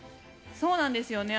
そうなんですよね。